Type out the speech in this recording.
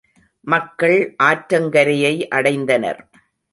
மக்கள் ஆற்றங்கரையை அடைந்தனர்.